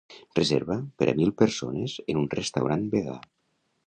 Reserva per a mil persones en un restaurant vegà.